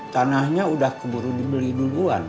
tanahnya sudah keburu dibeli duluan